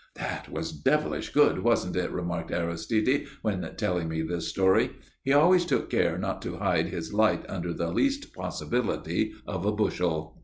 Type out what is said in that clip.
("That was devilish good, wasn't it?" remarked Aristide, when telling me this story. He always took care not to hide his light under the least possibility of a bushel.)